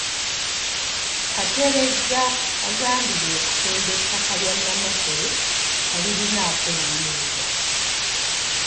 Kateregga agambibwa okutunda ettaka lya Nnamasole talirinaako buyinza.